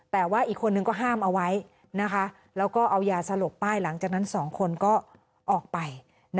แต่ว่าอีกคนนึงก็ห้ามเอาไว้แล้วก็เอายาสลบป้ายหลังจากนั้น๒คนก็ออกไป